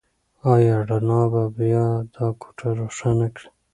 ایا رڼا به بيا دا کوټه روښانه کړي؟